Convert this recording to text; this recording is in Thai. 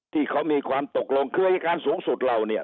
ที่เขามีความตกลงคืออายการสูงสุดเราเนี่ย